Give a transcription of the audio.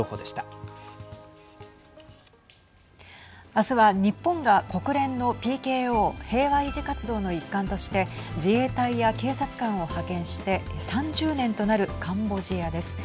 明日は日本が国連のＰＫＯ＝平和維持活動の一環として自衛隊や警察官を派遣して３０年となるカンボジアです。